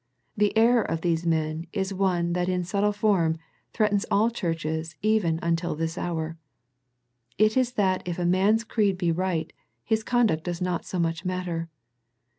The error of these men is one that in subtle form, threatens all churches even until this hour. It is that if a man's creed be right, his conduct does not so much matter.